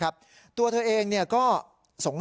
ค้าเป็นผู้ชายชาวเมียนมา